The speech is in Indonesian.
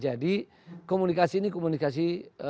jadi komunikasi ini komunikasi